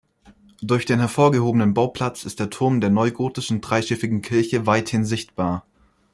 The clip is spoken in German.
Durch den hervorgehobenen Bauplatz ist der Turm der neugotischen, dreischiffigen Kirche weithin sichtbar.